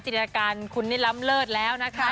รายการคุณนี่ล้ำเลิศแล้วนะคะ